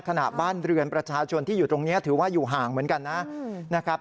บ้านเรือนประชาชนที่อยู่ตรงนี้ถือว่าอยู่ห่างเหมือนกันนะครับ